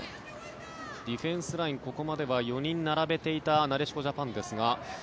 ディフェンスラインここまでは４人並べていたなでしこジャパンですが。